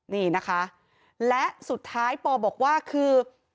นี่นะคะและสุดท้ายปอบอกว่าคือ